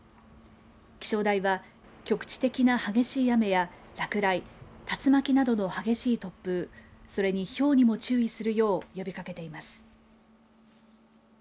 気象台は局地的な激しい雨や落雷、竜巻などの激しい突風それに、ひょうにも注意するよう呼びかけています。